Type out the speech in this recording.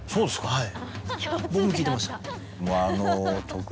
はい。